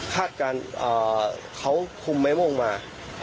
คาดการณ์เขาคุมไมโมงมา